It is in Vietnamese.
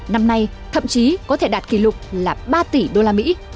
năm nay thậm chí có thể đạt kỷ lục là ba tỷ usd